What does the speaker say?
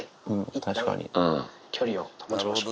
確かに、距離を保ちましょう。